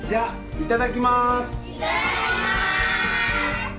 いただきます